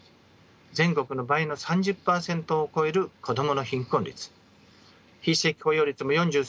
全国の倍の３０％を超える子供の貧困率非正規雇用率も４３％